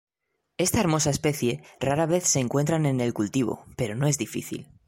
Esta hermosa especie, rara vez se encuentran en el cultivo pero no es difícil.